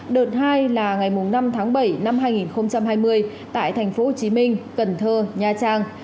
đợt hai là ngày năm tháng bảy năm hai nghìn hai mươi tại tp hcm cần thơ nha trang